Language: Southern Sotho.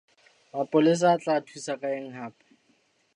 Mapolesa a tla thusa ka eng hape?